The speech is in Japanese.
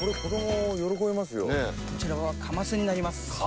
こちらはかますになります。